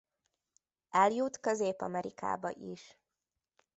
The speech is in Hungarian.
Eljut Közép-Amerikába is.